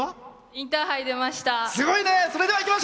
インターハイ、出ました。